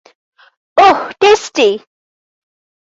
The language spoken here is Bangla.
ওহ, টেস্টি।